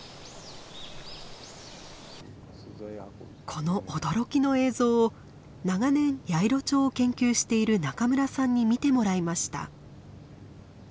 この驚きの映像を長年ヤイロチョウを研究している中村さんに見てもらいました。